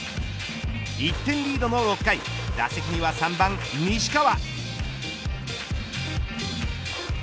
１点リードの６回打席には３番、西川。